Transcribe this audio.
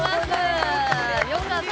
よかった。